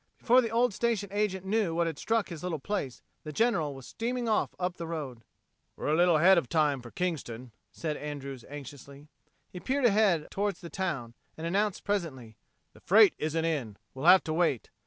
Before the old station agent knew what had struck his little place, the General was steaming off up the road. "We're a little ahead of time for Kingston," said Andrews anxiously. He peered ahead toward the town, and announced presently, "The freight isn't in. We'll have to wait.